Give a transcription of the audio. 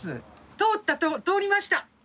通った通りました！